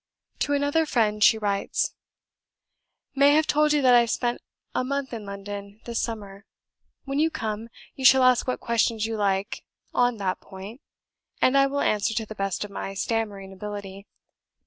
To another friend she writes: " may have told you that I have spent a month in London this summer. When you come, you shall ask what questions you like on that point, and I will answer to the best of my stammering ability.